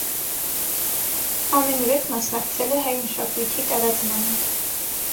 Ամենուրեք մասնակցել է հայ մշակույթի տարածմանը։